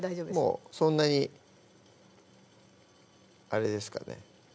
もうそんなにあれですかね